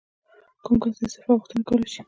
کوم کس د استعفا غوښتنه کولی شي؟